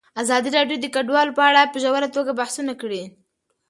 ازادي راډیو د کډوال په اړه په ژوره توګه بحثونه کړي.